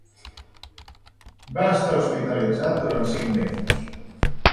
Va estar hospitalitzat durant cinc mesos.